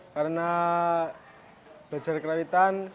karena belajar karawitan